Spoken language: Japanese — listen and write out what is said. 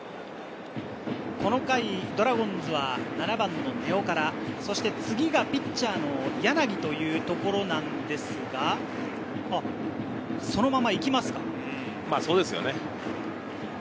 この回ドラゴンズは７番の根尾から次がピッチャーの柳というところなんですが、まぁそうですよね。